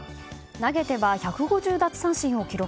投げては１５０奪三振を記録。